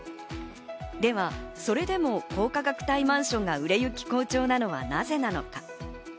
では、それでも高価格帯マンションが売れ行き好調なのはなぜなのか？